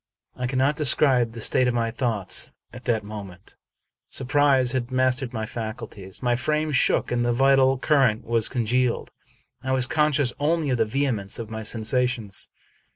I cannot describe the state of my thoughts at that mo 256 Charles Brockden Brown ment. Surprise had mastered my faculties. My frame shook, and the vital current was congealed. I was conscious only of the vehemence of my sensations.